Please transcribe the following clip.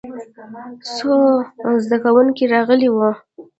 څو زده کوونکي راغلي وو.